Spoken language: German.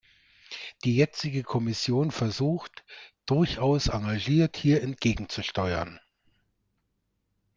Die jetzige Kommission versucht, durchaus engagiert hier gegenzusteuern.